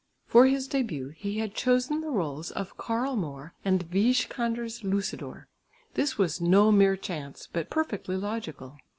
For his début he had chosen the rôles of Karl Moor and Wijkander's Lucidor. This was no mere chance but perfectly logical.